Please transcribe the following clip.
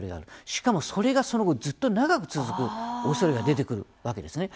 しかもそれが、その後ずっと長く続くおそれが出てくるわけですね。